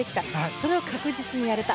それは確実にやれた。